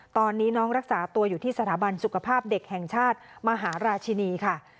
ตอนนี้น้องรักษาตัวอยู่ที่สถาบันสุขภาพเด็กแห่งชาติมหาราชินีค่ะ